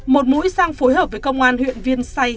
một mũi sang phối hợp với công an huyện viên say